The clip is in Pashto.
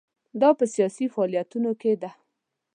دا په سیاسي فعالیتونو کې ده.